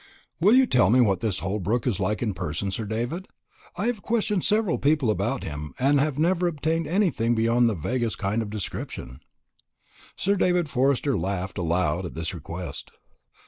"Will you tell me what this Holbrook is like in person, Sir David? I have questioned several people about him, and have never obtained anything beyond the vaguest kind of description." Sir David Forster laughed aloud at this request.